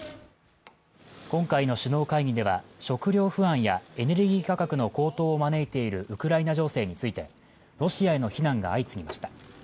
今回の首脳会議では食料不安やエネルギー価格の高騰を招いているウクライナ情勢について、ロシアへの非難が相次ぎました。